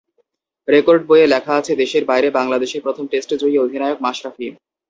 Record বইয়ে লেখা আছে দেশের বাইরে বাংলাদেশের প্রথম টেস্ট জয়ী অধিনায়ক মাশরাফি।